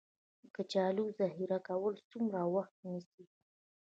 د کچالو ذخیره کول څومره وخت نیسي؟